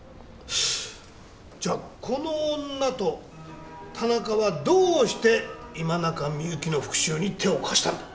じゃあこの女と田中はどうして今中みゆきの復讐に手を貸したんだ？